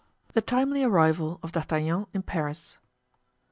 The timely Arrival of D'Artagnan in Paris.